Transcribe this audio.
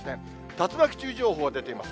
竜巻注意情報が出ています。